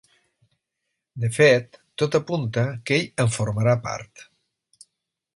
De fet, tot apunta que ell en formarà part.